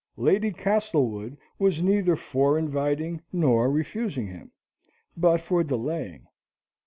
Lady Castlewood was neither for inviting nor for refusing him, but for delaying.